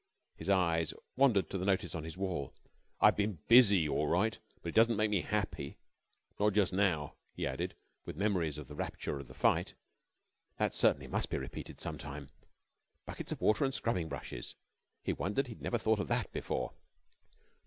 His eye wandered to the notice on his wall. "I've been busy all right, but it doesn't make me happy not jus' now," he added, with memories of the rapture of the fight. That certainly must be repeated some time. Buckets of water and scrubbing brushes. He wondered he'd never thought of that before.